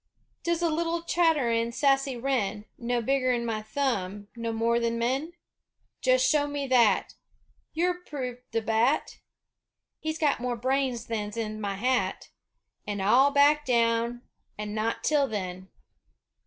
Does the little chatterin', sassy wren, No bigger'n my thumb, know more than men? Jest show me that! Ur prove 't the bat Hez got more brains than's in my hat, An' I'll back down, an' not till then!